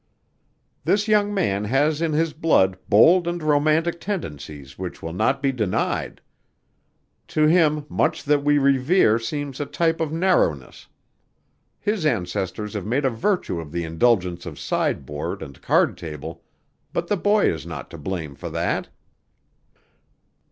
"This young man has in his blood bold and romantic tendencies which will not be denied. To him much that we revere seems a type of narrowness. His ancestors have made a virtue of the indulgences of sideboard and card table but the boy is not to blame for that."